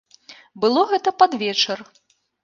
Было гэта пад вечар.